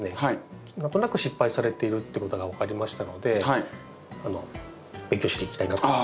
何となく失敗されているっていうことが分かりましたので勉強していきたいなと思います。